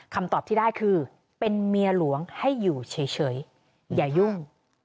คำตอบที่ได้คือเป็นเมียหลวงให้อยู่เฉยอย่ายุ่ง